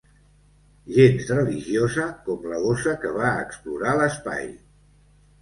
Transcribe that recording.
Gens religiosa, com la gossa que va explorar l'espai.